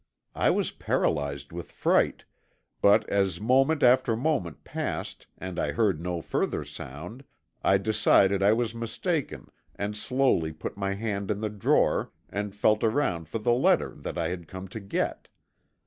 I was paralyzed with fright, but as moment after moment passed and I heard no further sound, I decided I was mistaken and slowly put my hand in the drawer and felt around for the letter that I had come to get.